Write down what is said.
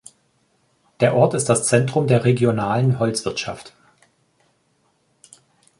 Der Ort ist das Zentrum der regionalen Holzwirtschaft.